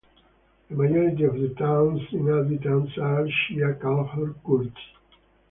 The majority of the town's inhabitants are Shia Kalhor Kurds.